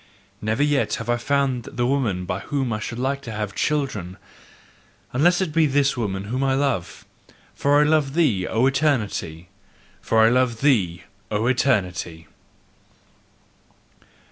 Never yet have I found the woman by whom I should like to have children, unless it be this woman whom I love: for I love thee, O Eternity! FOR I LOVE THEE, O ETERNITY!